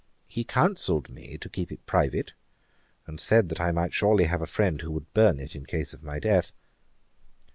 He counselled me to keep it private, and said I might surely have a friend who would burn it in case of my death.